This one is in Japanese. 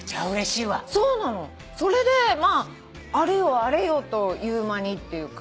それであれよあれよという間にというか。